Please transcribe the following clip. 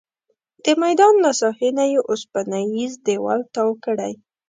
د میدان له ساحې نه یې اوسپنیز دیوال تاو کړی.